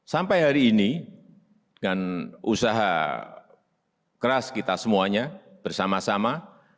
sampai hari ini dengan usaha keras kita semuanya bersama sama